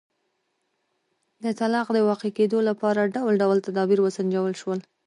د طلاق د واقع کېدو لپاره ډول ډول تدابیر وسنجول شول.